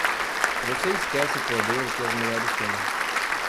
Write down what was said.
Você esquece o poder que as mulheres têm.